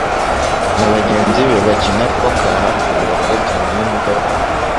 na bagenzi be bakina poker hafi buri wa gatanu nimugoroba